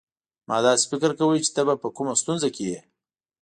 ما داسي فکر کاوه چي ته په کومه ستونزه کې يې.